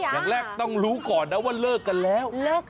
อย่างแรกต้องรู้ก่อนนะว่าเลิกกันแล้ว